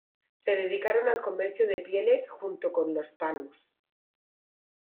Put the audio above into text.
Se dedicaron al comercio de pieles junto con los palus.